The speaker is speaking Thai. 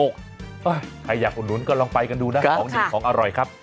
ใครอยากอุดหนุนก็ลองไปกันดูนะของเด็ดของอร่อยครับ